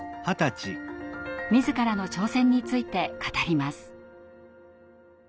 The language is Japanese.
自らの挑戦について語ります。